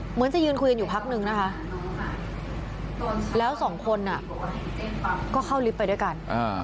เหมือนจะยืนคุยกันอยู่พักนึงนะคะแล้วสองคนก็เข้าลิฟต์ไปด้วยกัน